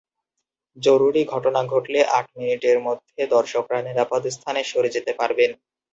জরুরী ঘটনা ঘটলে আট মিনিটের মধ্যে দর্শকরা নিরাপদ স্থানে সরে যেতে পারবেন।